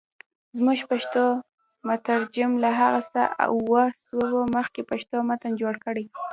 زموږ پښتو مترجم له هغه څخه اووه سوه مخه پښتو متن جوړ کړی.